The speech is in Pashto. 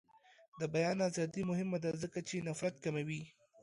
د بیان ازادي مهمه ده ځکه چې نفرت کموي.